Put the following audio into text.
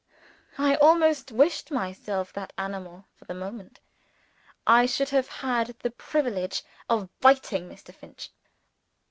I almost wished myself that animal for the moment I should have had the privilege of biting Mr. Finch.